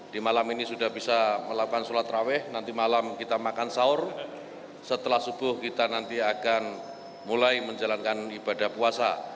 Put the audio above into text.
di malam ini sudah bisa melakukan sholat rawih nanti malam kita makan sahur setelah subuh kita nanti akan mulai menjalankan ibadah puasa